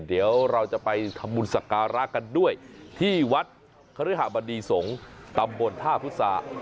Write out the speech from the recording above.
เดี๋ยวเราจะไปทำบุญสักการะกันด้วยที่วัดคฤหะบดีสงฆ์ตำบลท่าพุษา